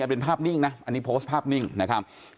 เป็นภาพนิ่งนะอันนี้โพสต์ภาพนิ่งนะครับ